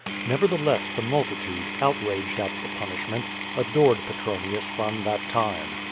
Nevertheless, the multitude, outrage<l/ at the punishment, adored Petronius from that time.